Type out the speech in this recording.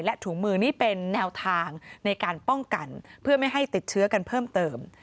ถุงมือนี่เป็นแนวทางในการป้องกันเพื่อไม่ให้ติดเชื้อกันเพิ่มเติม